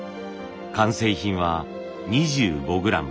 完成品は２５グラム。